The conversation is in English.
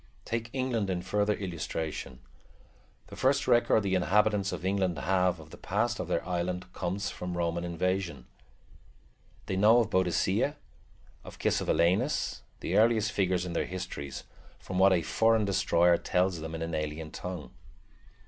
Take England in further illustration. The first record the inhabitants of England have of the past of their island comes from Roman invasion. They know of Boadicea, of Cassivelaunus, the earliest figures in their history, from what a foreign destroyer tells them in an alien tongue.